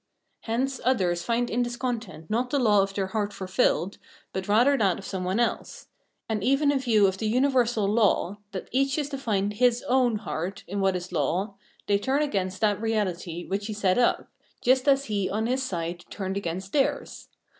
Hence others find in this content not the law of their heart fulfilled, but rather that of some one else ; and even in view of the universal law, that each is to find his own heart in what is law, they turn against that reahty which he set up, just as he on his side turned against theirs.